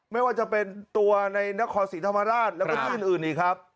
ไม่ว่าจะเป็นตัวในนครศรีธรรมราชแล้วก็ที่อื่นอีกครับ